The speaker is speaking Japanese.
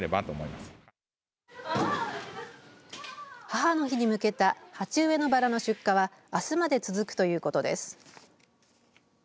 母の日に向けた鉢植えのバラの出荷はあすまで続くということです。